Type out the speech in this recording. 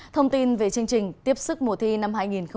thông tin về chương trình tiếp sức mùa thi năm hai nghìn hai mươi